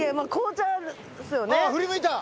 あっ振り向いた！